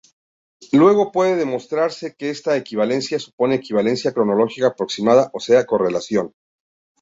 Luego puede demostrarse que esta equivalencia supone equivalencia cronológica aproximada, o sea, correlación.